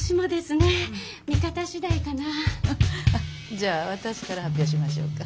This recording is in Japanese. じゃあ私から発表しましょうか。